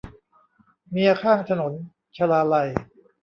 เมียข้างถนน - ชลาลัย